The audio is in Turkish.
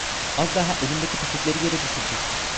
Az daha elimdeki paketleri yere düşürecektim.